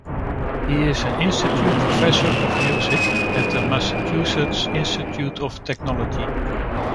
He is an Institute Professor of music at the Massachusetts Institute of Technology.